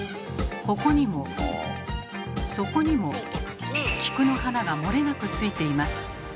ここにもそこにも菊の花が漏れなくついています。